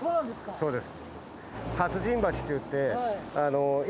そうです。